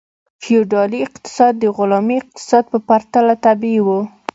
فیوډالي اقتصاد د غلامي اقتصاد په پرتله طبیعي و.